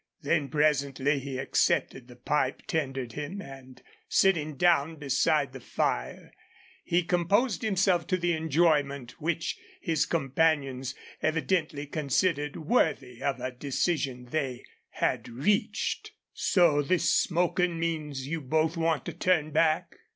Then, presently, he accepted the pipe tendered him, and, sitting down beside the fire, he composed himself to the enjoyment which his companions evidently considered worthy of a decision they had reached. "So this smokin' means you both want to turn back?"